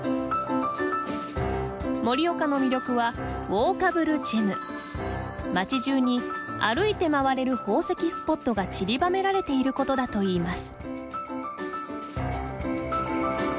盛岡の魅力は町じゅうに歩いて回れる宝石スポットがちりばめられていることだといいます。